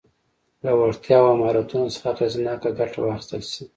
له وړتیاوو او مهارتونو څخه اغېزناکه ګټه واخیستل شي.